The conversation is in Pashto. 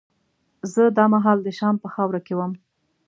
زه دا مهال د شام په خاوره کې وم.